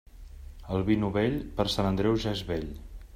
El vi novell, per Sant Andreu ja és vell.